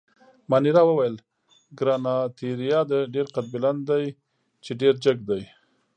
مانیرا وویل: ګراناتیریا ډېر قدبلند دي، چې ډېر جګ دي.